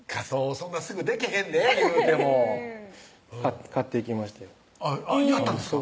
そんなすぐでけへんでいうても買っていきましてやったんですか？